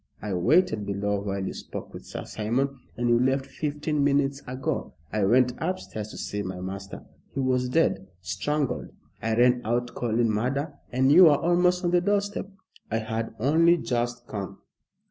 I waited below while you spoke with Sir Simon, and you left fifteen minutes ago. I went upstairs to see my master. He was dead strangled. I ran out calling murder, and you were almost on the doorstep." "I had only just come."